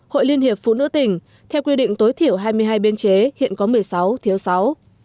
hội liên hiệp phụ nữ tỉnh theo quy định tối thiểu hai mươi hai biên chế hiện có một mươi sáu thiếu sáu